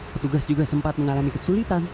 petugas juga sempat mengalami kesulitan